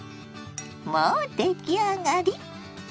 もう出来上がり。